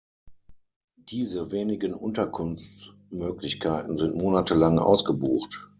Diese wenigen Unterkunftsmöglichkeiten sind monatelang ausgebucht.